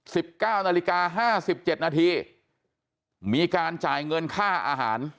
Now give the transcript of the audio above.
สิบเก้านาฬิกาห้าสิบเจ็ดนาทีมีการจ่ายเงินค่าอาหาร